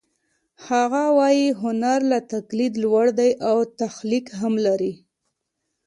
هغه وايي هنر له تقلید لوړ دی او تخلیق هم لري